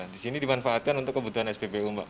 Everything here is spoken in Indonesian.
di sini dimanfaatkan untuk kebutuhan spbu mbak